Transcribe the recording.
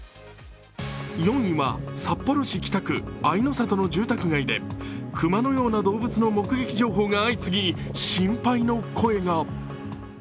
４位は札幌市北区あいの里の住宅街で熊のような動物の目撃情報が相次ぎ、心配の声が。